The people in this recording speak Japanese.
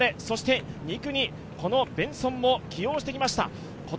そして２区にベンソンを起用してきました。